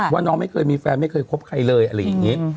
ว่าน้องไม่เคยมีแฟนไม่เคยคบใครเลยอะไรอย่างนี้